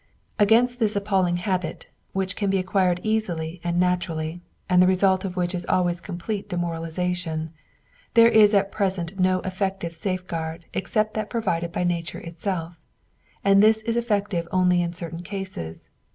Against this appalling habit, which can be acquired easily and naturally and the result of which is always complete demoralization, there is at present no effective safeguard except that provided by nature itself, and this is effective only in certain cases.